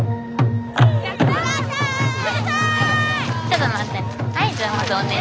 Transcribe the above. ちょっと待ってね。